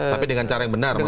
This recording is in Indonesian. tapi dengan cara yang benar